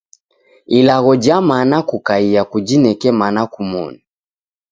Ilagho ja mana kukaia kujineke mana kumoni.